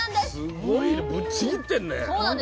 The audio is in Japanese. すごいねぶっちぎってんね。